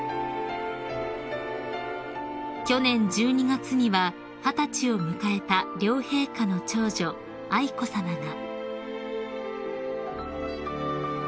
［去年１２月には二十歳を迎えた両陛下の長女愛子さまが］